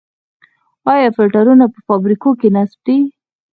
آیا فلټرونه په فابریکو کې نصب دي؟